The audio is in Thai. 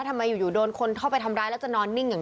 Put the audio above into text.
ทำไมอยู่โดนคนเข้าไปทำร้ายแล้วจะนอนนิ่งอย่าง